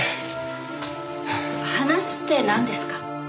話ってなんですか？